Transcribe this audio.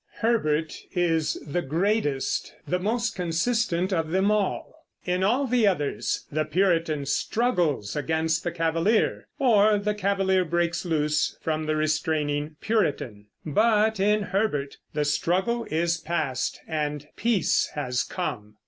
Herbert is the greatest, the most consistent of them all. In all the others the Puritan struggles against the Cavalier, or the Cavalier breaks loose from the restraining Puritan; but in Herbert the struggle is past and peace has come.